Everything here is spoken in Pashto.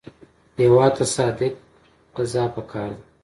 هېواد ته صادق قضا پکار ده